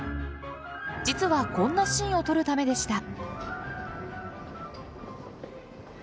実はこんなシーンを撮るためでした。